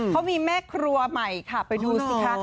เขามีแม่ครัวใหม่ค่ะไปดูสิคะ